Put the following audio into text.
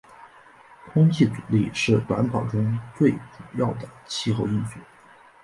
空气阻力是短跑中最主要的气候因素。